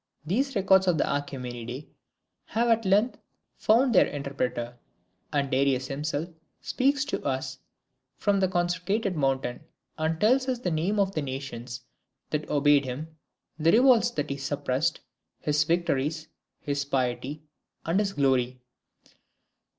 These records of the Achaemenidae have at length found their interpreter; and Darius himself speaks to us from the consecrated mountain, and tells us the names of the nations that obeyed him, the revolts that he suppressed, his victories, his piety, and his glory.